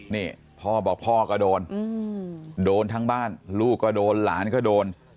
นี่พ่อบอกพ่อก็โดนโดนทั้งบ้านลูกก็โดนหลานก็โดน